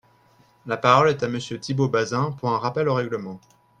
La parole est à Monsieur Thibault Bazin, pour un rappel au règlement.